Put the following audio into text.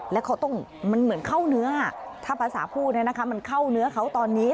แล้วเขาต้องมันเหมือนเข้าเนื้อถ้าภาษาพูดมันเข้าเนื้อเขาตอนนี้